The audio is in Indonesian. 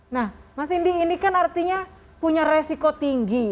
nah mas indi ini kan artinya punya resiko tinggi